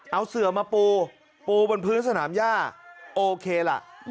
เอาเสือมาปูปูบนพื้นสนามย่าโอเคล่ะ